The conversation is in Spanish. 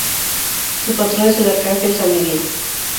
Su patrón es el Arcángel San Miguel.